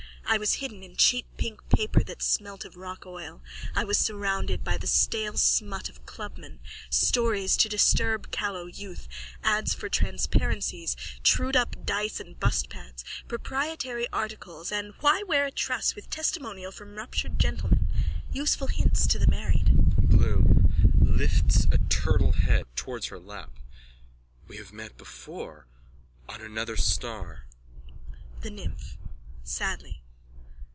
I was hidden in cheap pink paper that smelt of rock oil. I was surrounded by the stale smut of clubmen, stories to disturb callow youth, ads for transparencies, truedup dice and bustpads, proprietary articles and why wear a truss with testimonial from ruptured gentleman. Useful hints to the married. BLOOM: (Lifts a turtle head towards her lap.) We have met before. On another star. THE NYMPH: _(Sadly.)